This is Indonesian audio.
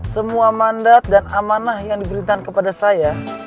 semua mandat dan amanah yang diperintahkan kepada saya